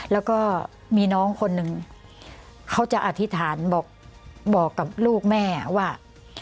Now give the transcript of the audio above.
แล้วก็มีน้องคนหนึ่งเขาจะอธิษฐานบอกกับลูกแม่ว่า